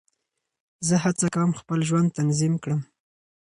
زه هڅه کوم خپل ژوند تنظیم کړم.